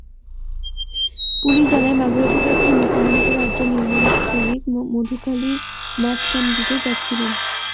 Police জানায়, মাগুরা থেকে একটি নছিমনে করে আটজন নির্মাণশ্রমিক মধুখালীর মাঝকান্দিতে যাচ্ছিলেন।